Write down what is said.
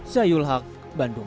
saya yulhak bandung